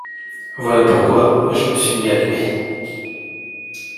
Voilà pourquoi je me suis mis à l’aimer.